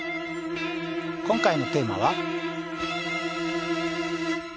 今回のテーマは。